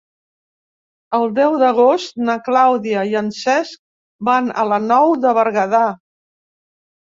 El deu d'agost na Clàudia i en Cesc van a la Nou de Berguedà.